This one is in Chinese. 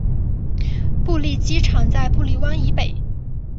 布利机场在布利湾以北。